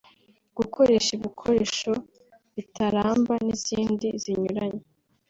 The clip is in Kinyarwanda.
gukoresha ibikoresho bitaramba n’izindi zinyuranye